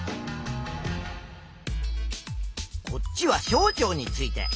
こっちは小腸について。